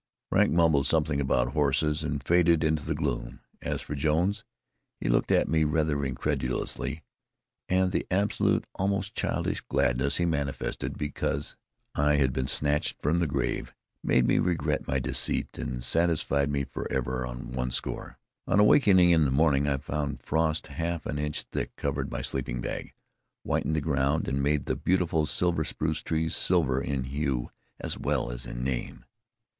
Frank mumbled something about horses, and faded into the gloom. As for Jones, he looked at me rather incredulously, and the absolute, almost childish gladness he manifested because I had been snatched from the grave, made me regret my deceit, and satisfied me forever on one score. On awakening in the morning I found frost half an inch thick covered my sleeping bag, whitened the ground, and made the beautiful silver spruce trees silver in hue as well as in name.